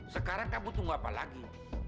sekarang kamu tunggu apa lagi